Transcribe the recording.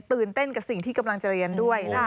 ตื่นเต้นกับสิ่งที่กำลังจะเรียนด้วย